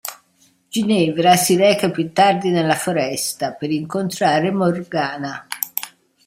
Ginevra si reca più tardi nella foresta, per incontrare Morgana.